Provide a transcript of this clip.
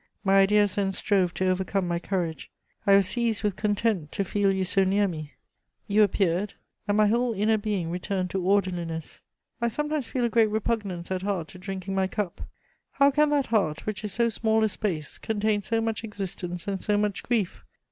My ideas then strove to overcome my courage. I was seized with content to feel you so near me; you appeared, and my whole inner being returned to orderliness. I sometimes feel a great repugnance at heart to drinking my cup. How can that heart, which is so small a space, contain so much existence and so much grief?